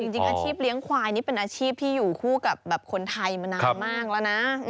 จริงอาชีพเลี้ยงควายนี่เป็นอาชีพที่อยู่คู่กับคนไทยมานานมากแล้วนะ